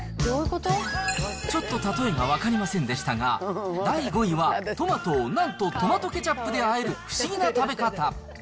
ちょっと例えが分かりませんでしたが、第５位は、トマトをなんとトマトケチャップであえる、不思議な食べ方。